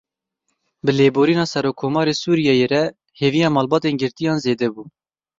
Bi lêborîna Serokkomarê Sûriyeyê re hêviya malbatên girtiyan zêde bû.